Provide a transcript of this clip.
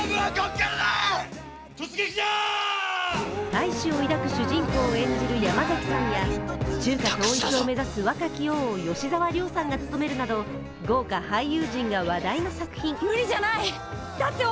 大志を抱く主人公を演じる山崎さんや中華統一を目指す若き王を吉沢亮さんが務めるなど豪華俳優陣が話題の作品。